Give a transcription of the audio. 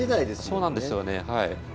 そうなんですよね。